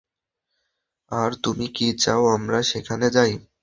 আর তুমি কি চাও আমরা সেখানে যাই?